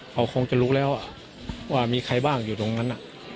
เขาคงจะรู้แล้วว่ามีใครบ้างอยู่ตรงนั้น